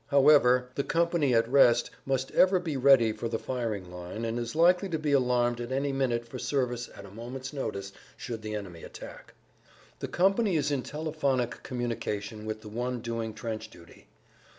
However, the company at rest must ever be ready for the firing line and is likely to be alarmed at any minute for service at a moment's notice should the enemy attack. The company is in telephonic communication with the one doing trench duty.